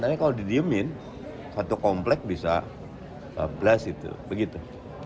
tapi kalau didiemin satu komplek bisa blast itu begitu